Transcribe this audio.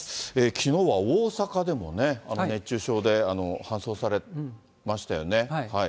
きのうは大阪でもね、熱中症で搬送されましたよね。